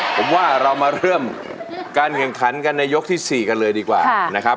ผมว่าเรามาเริ่มการเงินขันกันในยกที่๔กันเลยดีกว่า